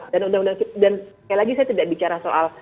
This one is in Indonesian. dan sekali lagi saya tidak bicara soal